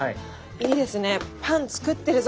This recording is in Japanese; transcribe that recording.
いいですね